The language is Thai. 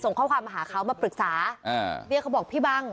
ข้อความมาหาเขามาปรึกษาอ่าเบี้ยเขาบอกพี่บัง